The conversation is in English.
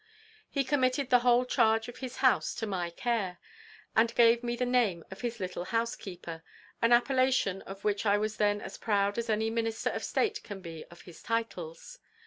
He committed the whole charge of his house to my care, and gave me the name of his little housekeeper, an appellation of which I was then as proud as any minister of state can be of his titles.